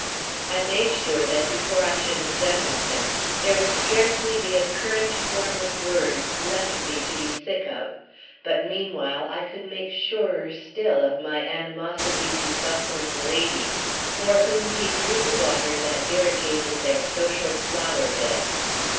I made sure that before I should have done with him there would scarcely be a current form of words left me to be sick of; but meanwhile I could make surer still of my animosity to bustling ladies for whom he drew the water that irrigated their social flower beds.